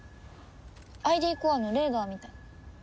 ＩＤコアのレーダーみたい。